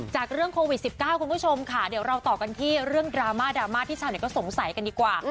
เรื่องโควิด๑๙คุณผู้ชมค่ะเดี๋ยวเราต่อกันที่เรื่องดราม่าดราม่าที่ชาวเน็ตก็สงสัยกันดีกว่า